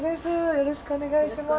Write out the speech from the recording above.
よろしくお願いします。